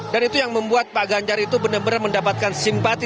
dan itu yang membuat pak ganjar itu benar benar mendapatkan simpati